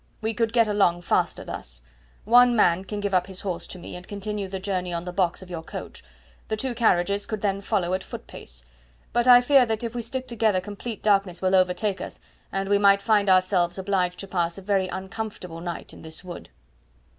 We could get along faster thus. One man can give up his horse to me and continue the journey on the box of your coach. The two carriages could then follow at foot pace. But I fear that if we stick together complete darkness will overtake us and we might find ourselves obliged to pass a very uncomfortable night in this wood."